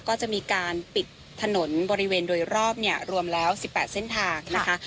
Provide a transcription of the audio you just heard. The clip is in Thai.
ก็จะมีการปิดถนนบริเวณโดยรอบเนี่ยรวมแล้ว๑๘เส้นทางนะคะ